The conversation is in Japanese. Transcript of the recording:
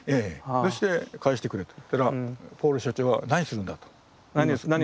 そして「返してくれ」と言ったらポール所長は「何するんだ？」と。